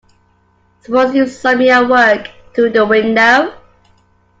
Suppose you saw me at work through the window.